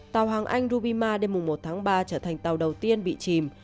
tàu hàng anh rubima đêm một ba trở thành tàu đầu tiên bị chìm